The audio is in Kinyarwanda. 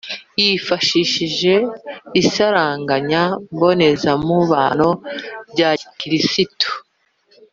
yifashishije isaranganya mbonezamubano rya gikirisitu .